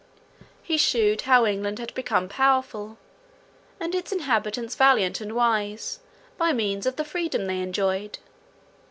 He shewed how England had become powerful, and its inhabitants valiant and wise, by means of the freedom they enjoyed.